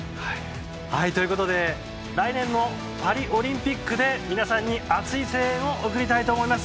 ということで来年のパリオリンピックで皆さんに熱い声援を送りたいと思います。